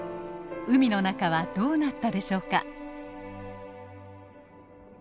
海の中はどうなったでしょうか？